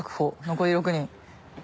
残り６人。